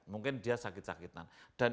mungkin dia sakit sakitan